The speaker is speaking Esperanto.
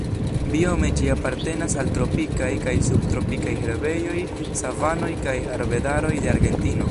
Biome ĝi apartenas al tropikaj kaj subtropikaj herbejoj, savanoj kaj arbedaroj de Argentino.